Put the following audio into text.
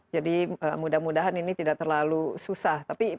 mudah mudahan ini tidak terlalu susah